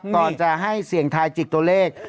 ก่อนจะให้เสี่ยงทายจิกตัวเลข